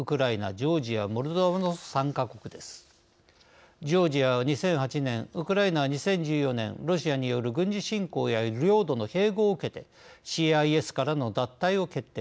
ジョージアは２００８年ウクライナは２０１４年ロシアによる軍事侵攻や領土の併合を受けてＣＩＳからの脱退を決定。